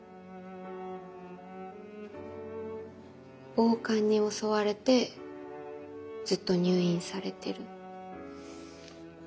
暴漢に襲われてずっと入院されてる？